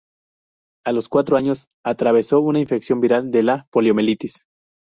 A los cuatro años, atravesó una infección viral de la poliomielitis.